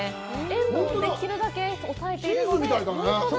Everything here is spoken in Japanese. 塩分をできるだけ抑えているので。